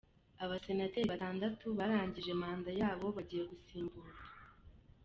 Abasenateri batandatu barangije manda yabo bagiye gusimburwa